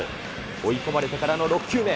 追い込まれてからの６球目。